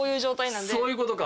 そういうことか。